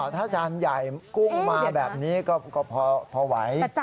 ถ้าจานใหญ่กุ้งมาแบบนี้ก็พอไหว